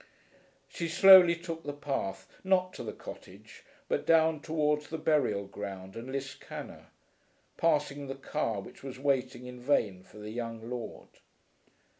She slowly took the path, not to the cottage, but down towards the burial ground and Liscannor, passing the car which was waiting in vain for the young lord.